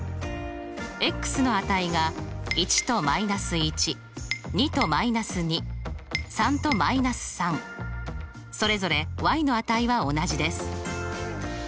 の値が１と−１２と−２３と−３それぞれの値は同じです。